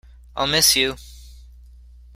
I’ll miss you.